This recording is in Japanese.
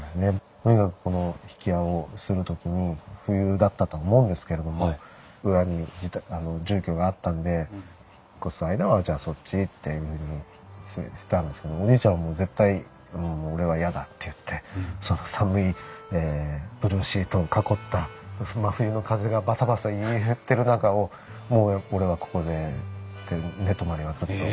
とにかくこの曳家をする時に冬だったと思うんですけれども裏に住居があったんで引っ越す間はじゃあそっちっていうふうに言ってたんですけどおじいちゃんはもう絶対俺は嫌だって言ってその寒いブルーシートを囲った真冬の風がバサバサいってる中をもう俺はここでっつって寝泊まりはずっと。